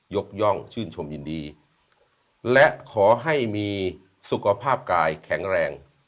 ย่องชื่นชมยินดีและขอให้มีสุขภาพกายแข็งแรง